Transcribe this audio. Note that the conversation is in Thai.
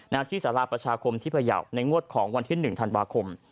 ที่สาราประชาคมที่พยาวในงวดของวันที่๑ธันวาคม